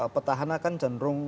petahana kan cenderung